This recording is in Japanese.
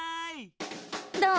どう？